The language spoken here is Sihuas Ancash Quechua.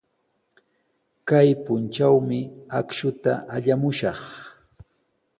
Kay puntrawmi akshuta allamushaq.